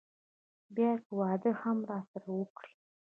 بيا که واده هم راسره وکړي.